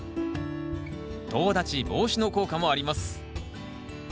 とう立ち防止の効果もあります。